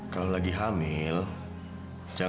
terima kasih pak